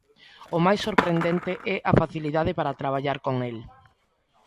O máis sorprendente é a facilidade para traballar con el.